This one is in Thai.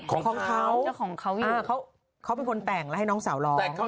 ของเขาเจ้าของเขาเป็นคนแต่งแล้วให้น้องสาวร้อง